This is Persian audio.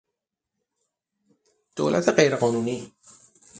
دولت غیرقانونی